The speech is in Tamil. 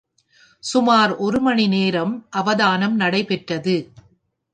சுமார் ஒருமணி நேரம் அவதானம் நடைபெற்றது.